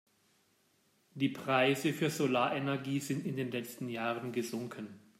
Die Preise für Solarenergie sind in den letzten Jahren gesunken.